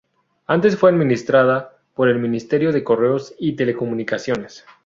Antes fue administrada por el Ministerio de correos y telecomunicaciones.